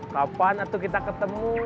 kapan atuh kita ketemu